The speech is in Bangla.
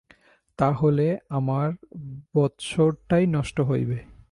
তা হলে আমার বৎসরটাই নষ্ট হইবে।